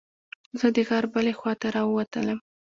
زه د غار بلې خوا ته راووتلم.